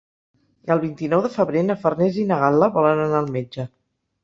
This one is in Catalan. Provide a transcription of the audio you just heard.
El vint-i-nou de febrer na Farners i na Gal·la volen anar al metge.